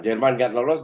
jerman gak lolos